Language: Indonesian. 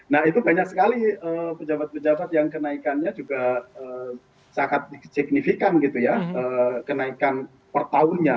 nah itu banyak sekali pejabat pejabat yang kenaikannya juga sangat signifikan gitu ya kenaikan per tahunnya